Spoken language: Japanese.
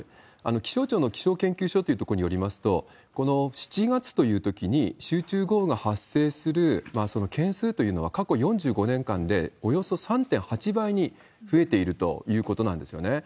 気象庁の気象研究所というところによりますと、この７月というときに、集中豪雨が発生する、その件数というのは、過去４５年間でおよそ３．８倍に増えているということなんですよね。